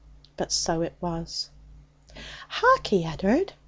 But so it was. 'Harkee, Ed'ard!'